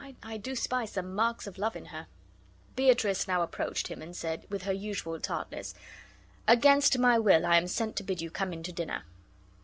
I do spy some marks of love in her." Beatrice now approached him and said, with her usual tartness, "Against my will I am sent to bid you come in to dinner."